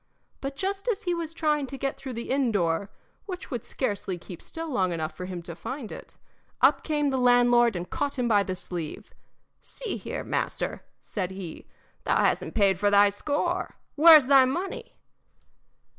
But just as he was trying to get through the inn door which would scarcely keep still long enough for him to find it, up came the landlord and caught him by the sleeve. "See here, master," said he, "thou hasn't paid for thy score where's thy money?"